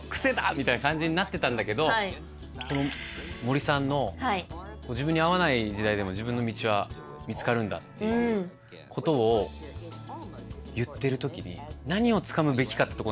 みたいな感じになってたんだけど森さんの自分に合わない時代でも自分の道は見つかるんだっていうことを言ってる時に何をつかむべきかってとこなんだよね。